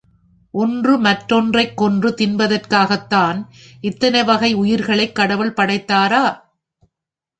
ஒன்று மற்றொன்றைக் கொன்று தின்பதற்காகத்தான், இத்தனை வகை உயிரிகளைக் கடவுள் படைத்தாரா?